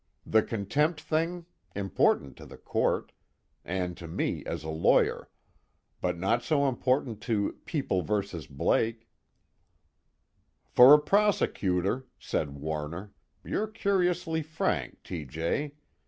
The contempt thing important to the Court, and to me as a lawyer, but not so important to People vs. Blake." "For a prosecutor," said Warner, "you're curiously frank, T. J.